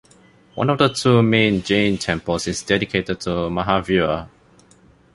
One of the two main Jain temples is dedicated to Mahavira.